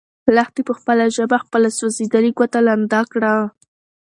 لښتې په خپله ژبه خپله سوځېدلې ګوته لنده کړه.